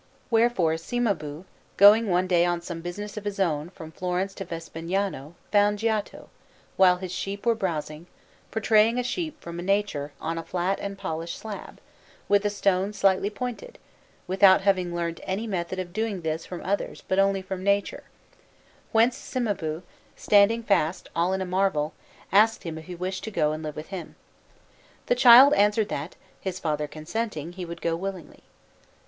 Wherefore Cimabue, going one day on some business of his own from Florence to Vespignano, found Giotto, while his sheep were browsing, portraying a sheep from nature on a flat and polished slab, with a stone slightly pointed, without having learnt any method of doing this from others, but only from nature; whence Cimabue, standing fast all in a marvel, asked him if he wished to go to live with him. The child answered that, his father consenting, he would go willingly.